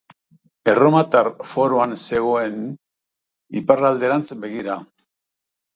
Erromatar foroan zegoen, iparralderantz begira.